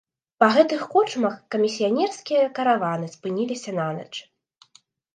Па гэтых корчмах камісіянерскія караваны спыняліся нанач.